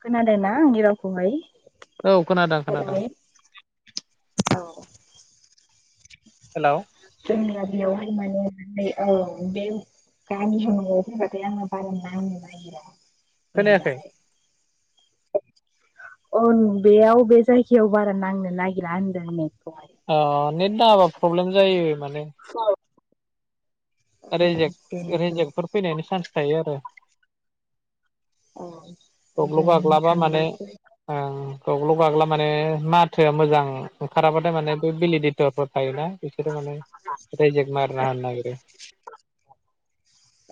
खोनादोंना आंनि रावखौहाय औ खोनादों हेलौ। खोनादों औ। हेल'। जोंनिया बेयावहाय माने औ बे गामि होननांगौ फैबाथाय आंना बारा नांनो नागिरा खोनायाखै नेदानो औ बेयाव बे जायगायाव बारा नांनो नागिरा होनदों नेटखौहाय अ नेट नाङाबा प्रब्लेम जायो माने औ रेजेक बेनोथ' रेजेकफोर फैनायनि चान्स थायो आरो अ गावग्ल' जों गाग्लाबा माने थांबासो ओं गाव्ल'-गाग्ला माने माथोआ मोजां ओंखाराबाथाय माने बे भेलिडटफोर थायोना बिसोरो माने रेयजेक मारना होनो नागिरो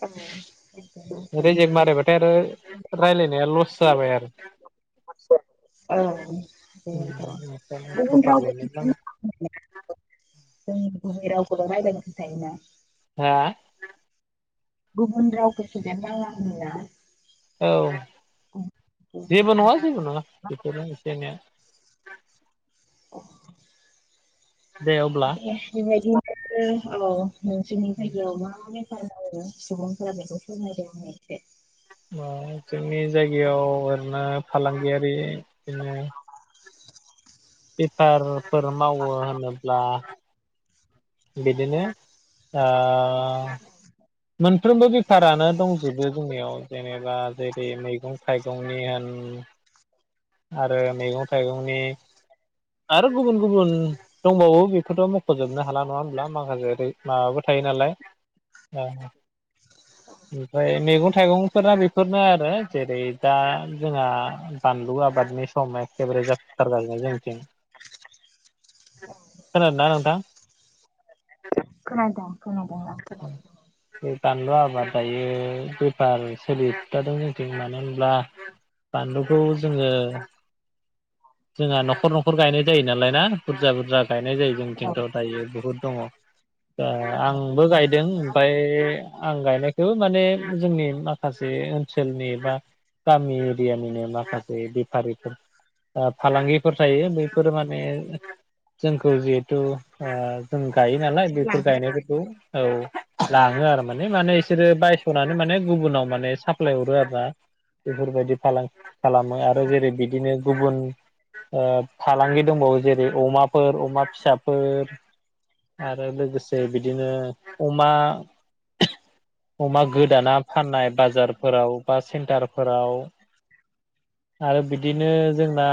औ बेनोथ' रैजेक मारिबाथाय आरो राय्लायनाया लस जाबाय आरो औ बेनोथ' गुबुन राव प्रपारलि नेट नाङा। गुबै रावखौल' रायज्लायग्रा थायोना हा? गुबुन रावखौ सोदेर नाङा होनोना औ जेबो नङा जेबो नङा बेफोरनो एसे-एनैया अ। दे अब्ला [unintelligible] फोरमायो सुबुंफोरा बेखौ फोरमायदों आनो एसे औ जोंनि जायगायाव ओरैनो फालांगियारि बिदिनो बेफारफोर मावो होनोब्ला बिदिनो ओ मोनफ्रोमबो बेफारानो दंजोबो जोंनियाव जेनेबा जेरै मैगं थाइगंनि होन आरो मैगं-थाइगंनि आरो गुबुन-गुबुन दंबावो बेखौथ' मख'जोबनो हाला नङा होनब्ला माखासे ओरै माबाबो थायो नालाय औ ओमफ्राय मैगं-थाइगंफोराना बेफोरनो आरो जेरै दा जोंहा बानलु आबादनि सम एखेबारे जोबथारजागोन जोंथिं खोनादों ना नोंथां खोनादों खोनादों आं खोनादों बे बानलु आबादायो बेफार सोलिथ'दों जोंथिं मानो होनब्ला बानलुखौ जोङो जोंहा न'खर-न'खर गायनाय जायो नालाय ना बुरजा-बुरजा गायनाय जायो औ जोंनिथिंथ' दायो बहुद दङ दा औ आंबो गायदों मा ओमफ्राय आं गायनायखौबो मा ने जोंनि माखासे ओनसोलनि बा गामि एरियानिनो माखासे बेफारिफोर ओ फालांगिफोर थायो बैफोरो माने जोंखौ जिहेथु ओ जों गायो नालाय बेफोर लाङो गायनायफोरखौ औ लाङो आरो माने माने बिसोरो बायस'नानै माने गुबुनाव माने साप्लाय हरो आरोना। बेफोरबायदि फालांगि खालामो आरो जेरै बिदिनो गुबुन फालांगि दंबावो जेरै अमाफोर अमा फिसाफोर आरो लोगोसे बिदिनो अमा अमा गोदाना फाननाय बाजारफोराव बा सेन्टारफोराव आरो बिदिनो जोंना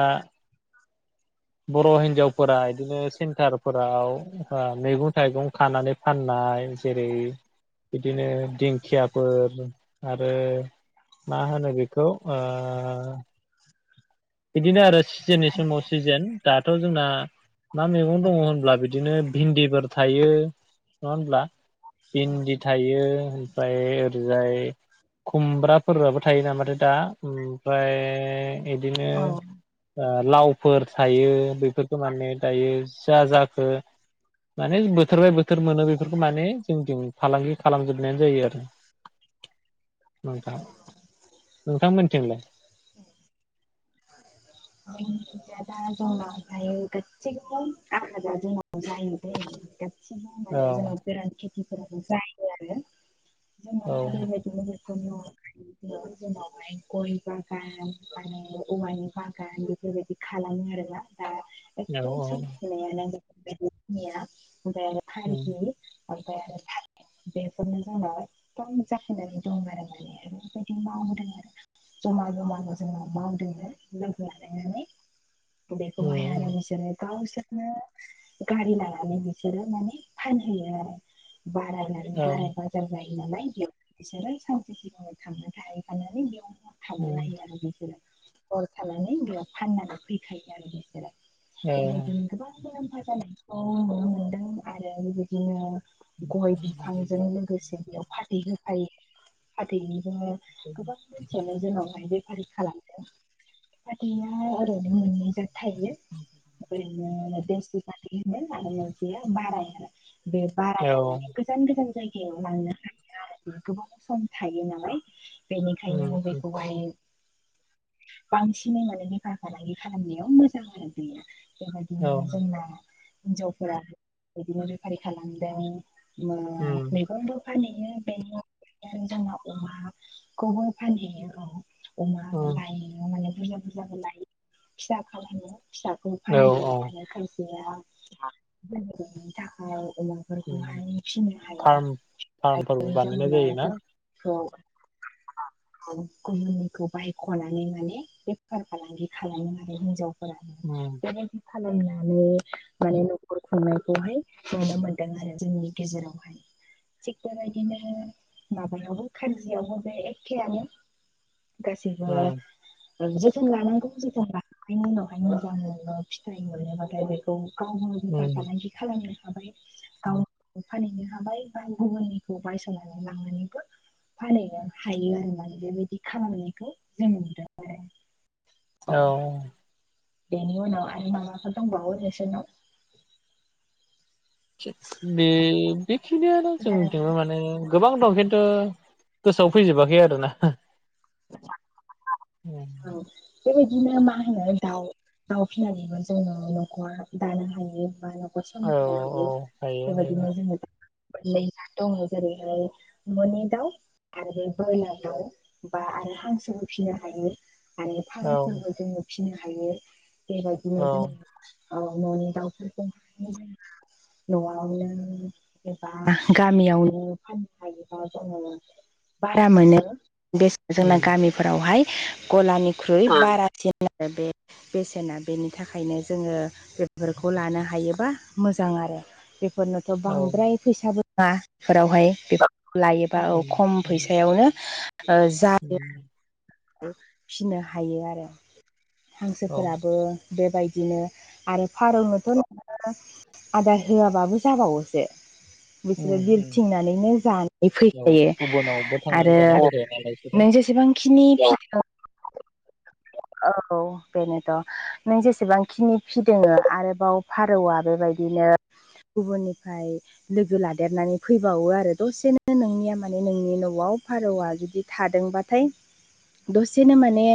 बर' हिनजावफोरा बिदिनो सेन्टारफोराव मैगं थाइगं खानानै फाननाय जेरै बिदिनो दिंखियाफोर आरो। मा होनो बेखौ ओ बिदिनो आरो सिजेननि समाव सिजेन दाथ' जोंना मा मैगं औ दङ होनब्ला बिदिनो भिन्दिफोर थायो नङा होनब्ला भिन्दी थायो। ओमफ्राय ओरैजाय खुमब्राफोराबो थायो नामाथाय दा ओमफ्राय बिदिनो औ ओ लावफोर थायो बेफोरखौ माने दायो जा जाखो माने बोथोर बाय बोथोर मोनो बेफोरखौ माने जोंथि फालांगि खालामजोबनायानो जायो आरो। नोंथां नोंथां मोनथिंलाय? [unintelligible] एसे जनानै जोंनाव औ गोरान खेथिफोराबो जायो आरो औ जोंनाव हालिबायदिनो [unintelligible] बेफोरनि अनगायैबो जोंनावहाय गय बागान आरो औवानि बा गान बेफोरबायदि खालामो आरोना दा एकदम औ सोलिफुनायानो उम [unintelligible] ओमफ्राय आरो थालिर बेफोरनो जोंहा एकदम जाफुनानै दं आरो माने ओरै बायदि मावदों आरो। जमा जमानो जोङो मावदों [unintelligible] [unintelligible] बेखौहाय आरो उम बिसोरो गावसोर नों गारि लानानै बिसोरो माने फानहैयो आरो बारा ला औ बाराय बाजार जायो नालाय बेयाव बिसोरो सानसे सिगाङाव थांनानै थाहैखानानै बेयावनो थाबोनो उम हायो आरो बिसोरो। हर थानानै बेयाव फाननानै फैखायो आरो बिसोरो औ औ बेबायदिनो गोबां मुलाम्फा जानायखौ नुनो मोनदों आरो बेबायदिनो गय उम बिफांजों लोगोसे बेयाव फाथै होफायो फाथैजोंनो गोबां मानसियानो जोंनावहाय बेफारि खालामदों। फाथैया ओरैनो मोननै जात थायो ओरैनो [unintelligible] होनो आरो मोनसेया बाराय आरो बे औ बाराया माने [unintelligible] गोजान गोजान जायगायाव लांनो हायो आरो गोबाव सम थायो नालाय। उम बेनिखायनो बेखौहाय बांसिनै माने बेफार फालांगि खालामनायाव मोजां आरो। बेबायदिनो जोंना हिनजावफोरा बेबायदिनो बेफारि खालामदों। [unintelligible] फानहैयो बेनि [unintelligible] जोंना अमाखौबो फानहैयो औ अमा औ [unintelligible] माने बुरजा बुरजाबो लायो फिसा खालामो फिसा खौ औ फानहैयो औ आरो खायसेया [unintelligible] थाखाय अमा उम फोरखौहाय फिसिनो हाया फार्म फार्मफोरबो जायनि बानायनाय जाउनाव जायोना औ [unintelligible] बाय खनानै माने बेफार फालांगि खालामो आरो हिनजावफोरा। उम। बेदि खालामनानै माने नखर खुंनायखौहाय नुनो मोनदों आरो जोंनि गेजेरावहाय। थिग बेबायदिनो माबायावबो खारजियावबो बे एखेयानो उम [unintelligible] जोथोन लानांगौ जोथोन लाखांनायनि उनावहाय मोजां फिथाइ मोनोबाथाय बे [unintelligible] [inaudible] बेफार उम फालांगि खालामनो हाबाय गाव फानहैनो हाबाय बा गुबुननिखौ बायस'नानै लांनानैबो फानैनो हायो आरोना बेबायदि खालामनायखौ जों औ बेनि उनाव आरो माबाफोर दंबावो नोंसोरनाव बे बेखिनियानो जों [unintelligible] माने गोबां दं खिन्थु गोसोआव फैजोबाखै आरोना। [unintelligible] बेबायदिनो मा होनो दाव दाउ फिसिनानैबो जोङो न'खर दानो हायो बा बा [unintelligible] औ औ हायो हायो हायो बेबायदिनो जोङो मोननै जाद दङ जेरैहाय न'नि दाउ आरो बयलार दाउ। बा आरो हांसोबो फिनो हायो आरो औ फारौफोरबो जोङो फिनो हायो। बेबायदिनो औ जोङो औ न'नि दाउफोरखौ न'आवनो एबा गामियावनो फाननो हायोबा जोङो बारा मोनो बेस जोंना उम गामि फोरावहाय गलानिख्रुइ बारासिन आरो बे बेसेना बेनि थाखायनो जोङो बेफोरखौ लानो हायोबा मोजां आरो बे फोरनोथ' औ बांद्राय फैसाबो नङा बेफोरावहाय बे लायोबा औ उम खम उम फैसायावनो ओ जायो। उम फिनो हायो आरो औ हांसोफोराबो बेबायदिनो आरो फारौनोथ' नोङो आदार होआबाबो जाबावोसो। बिसोरो उम उम बिरथिंनानैनो जानानै [unintelligible] औ फैखायो गुबुनावबो थांनानै आरो जाना फैखायो नालाय बिसोरो नों जेसेबांखिनि औ बेनोथ' नों जेसेबांखिनि फिदिङो आरोबाव फारौआ बेबायदिनो गुबुननिफ्राय लोगो लादेरनानै फैबावो आरो दसेनो नोंनिया माने नोंनि न'आव फारौआ जुदि थादोंबाथाय दसेनो माने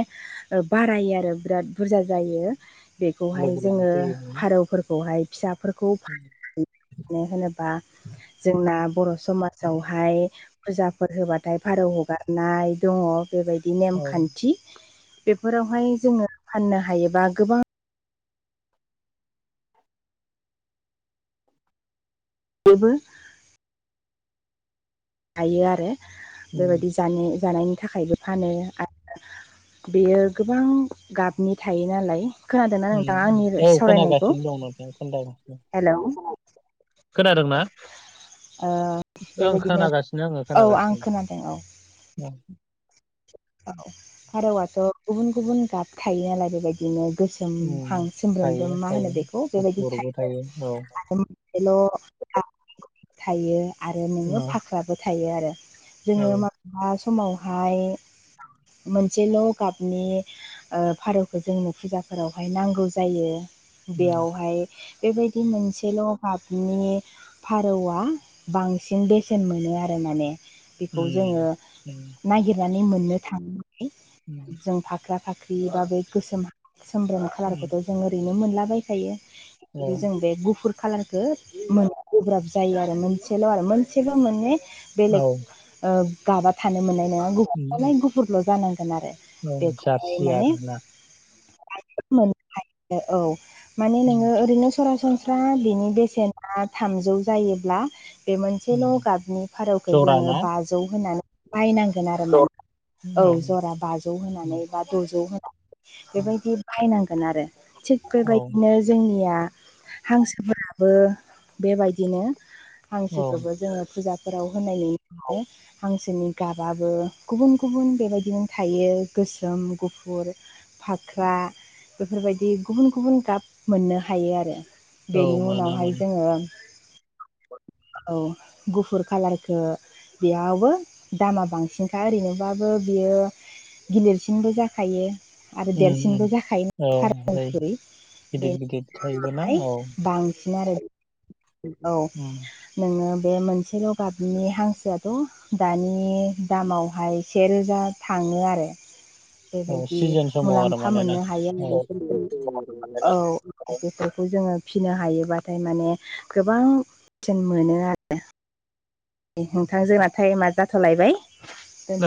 ओ बारायो आरो बिराद बुरजा जायो। बेखौहाय लोगो लाना जोङो फैयो नोङो फारौफोरखौहाय फिसाफोरखौ मानो होनोबा जोंना बर' समाजावहाय फुजाफोर होबाथाय भारौ हगारनाय दङ बेबायदि औ नेमखान्थि बेफोरावहाय जोङो फाननो हायोबा गोबां बेबो [unintelligible] आरो उम बेबायदि जानो जानायनि थाखायबो फानो आरो बेयो गोबां गाबनि थायो नालाय खोनादों ना उम नोंथाङा उम आंनि औ सावरायनायखौ खोनागासिनो दं नोंथां खोनागासिनो हेलोव खोनादोंना ओ ओं खोनागासिनो आङो खोनागासिनो खोनादों औ ओं औ फारौआथ' गुबुन- गुबुन गाब खायो [unintelligible] बेबायदि बिदिनो गोसोमहां उम थायो सोमब्रोमब्रोम मा होनो थायो बेखौ बेबायदि गुफुरबो थायो औ थायो ल' थायो आरो औ नोङो फाख्राबो थायो आरो। औ जोङो माब्लाबा समावहाय मोनसे ल' गाबनि फारौखौ जोंनो फुजाफोरावहाय नांगौ जायो उम बेयावहाय। बेबायदि मोनसेल गाबनि फारौआ बांसिन बेसेन मोनो आरो माने बेखौ जोंङो उम उम नागिरनानै मोननो उम थांङोङाख जों फाख्रा फाख्रि बा बे गोसोम सोमब्रोम उम खालारखौथ' जों ओरैनो मोनलाबायखायो। औ जों बे गुफुर खालारखौ मोन गोब्राब जायो आरो मोनसेल' आरो मोनसेबो मोने बेलेग औ गाबा थानो मोननाय नंङा उम उम गुफुरलाय गुफुरल' जानांगोन आरो औ बेखौ जारसि माने आरोना औ माने उम नोंङो ओरैनो सरासनस्रा बिनि बेसेना थामजौ जायोब्ला बे मोनसेल' उम गाबनि फारौखौ जरा जोंङो ना बाजौ होनानै बायनांगोन आरो ना औ जरा बाजौ होनानै उम बा द'जौ होनानै बेबायदि बाहायनांगोन आरो। थिग औ बेबायदिनो जोंनिया हांसोफोराबो बेबायदिनो औ हांसोखौबो जोंङो फुजा फोराव होनायनि उनाव हांसोनि गाबाबो गुबुन गुबुन बेबायदिनो थायो गोसोम गुफुर फाख्रा बेफोरबायदि गुबुन गुबुन गाब मोननो हायो आरो। औ बेनि मोनो उनावहाय मोनो जोंङो औ गुफुर कालारखौ बेयावबो दामा बांसिनखा ओरैनो माबाबो बियो गिलिरसिनबो जाखायो। आरो उम उम देरसिनबो जाखायोन औ सार ओमफ्राय गिदिर मखुरै गिदिर थायोबोना औ बांसिन आरो औ उम [unintelligible] नोंङो बे मोनसेल' गाबनि हांसोआथ' दानि दामावहाय से रोजा थांङो आरो। औ बेबायदि सिजोन समाव आरो मुलाम्फा मानोना मोननो औ हायो आं। औ बेफोरखौ जोंङो फिसिनो हायोबाथाय माने गोबां जों मोनो आरो। नोंथांजोंनाथायाइमा जाथ'लायबाय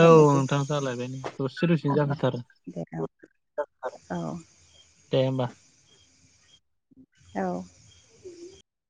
औ नोंथां जालायबाय दसे दसेनो जाफैथारो। बे औ दे होमबा। औ